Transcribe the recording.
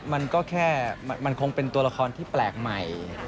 มันก็แค่มันคงเป็นตัวละครที่แปลกใหม่